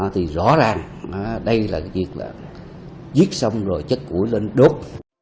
thì rõ ràng đây là việc là giết xong rồi chất củi lên đốt